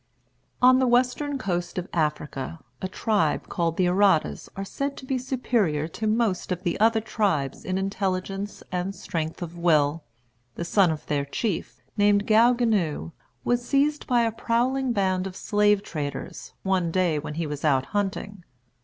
On the western coast of Africa, a tribe called the Arradas are said to be superior to most of the other tribes in intelligence and strength of will. The son of their chief, named Gaou Guinou, was seized by a prowling band of slave traders, one day when he was out hunting.